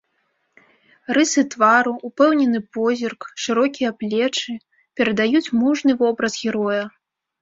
Рысы твару, упэўнены позірк, шырокія плечы перадаюць мужны вобраз героя.